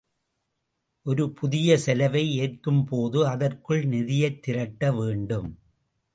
ஒரு புதிய செலவை ஏற்கும்போது அதற்குள்ள நிதியைத் திரட்ட வேண்டும்.